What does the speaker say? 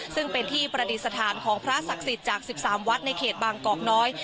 ซึ่งเป็นที่ประดิษฐานของพระศักดิ์สิทธิ์จาก๑๓วัดในเขตบางกอกน้อย